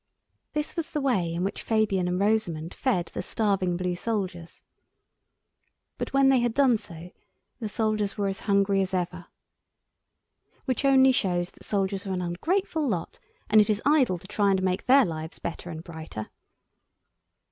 This was the way in which Fabian and Rosamund fed the starving blue soldiers. But when they had done so, the soldiers were as hungry as ever. Which only shows that soldiers are an ungrateful lot, and it is idle to try and make their lives better and brighter.